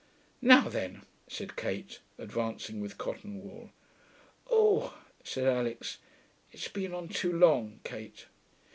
'Now then,' said Kate, advancing with cotton wool. 'Oo,' said Alix. 'It's been on too long, Kate.'